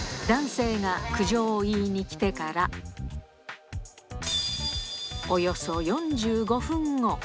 男性が苦情を言いに来てから、およそ４５分後。